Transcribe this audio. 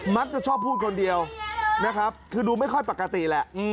มักจะชอบพูดคนเดียวนะครับคือดูไม่ค่อยปกติแหละ